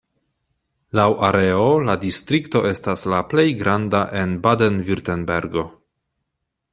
Laŭ areo la distrikto estas la plej granda en Baden-Virtembergo.